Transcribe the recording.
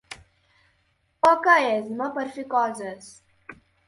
Poca esma per fer coses.